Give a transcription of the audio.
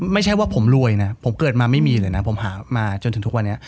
ไม่ใช่ว่าผมรวยนะผมเกิดมาไม่มีเลยนะผมหามาจนถึงทุกวันนี้